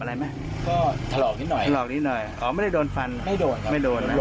อะไรนะครับ